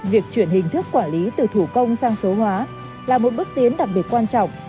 việc chuyển hình thức quản lý từ thủ công sang số hóa là một bước tiến đặc biệt quan trọng